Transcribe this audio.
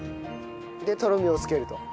でとろみをつけると。